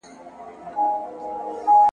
زه هره ورځ پاکوالي ساتم